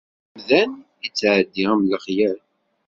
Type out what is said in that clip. Amdan ittɛeddi am lexyal.